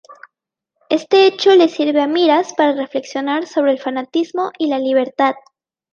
Este hecho le sirve a Miras para reflexionar sobre el fanatismo y la libertad.